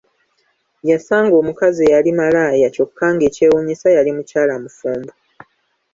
Yasanga omukazi eyali malaaya kyokka ng'ekyewuunyisa yali mukyala mufumbo!